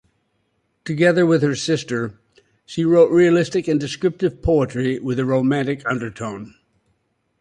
Together with her sister, she wrote realistic and descriptive poetry with a romantic undertone.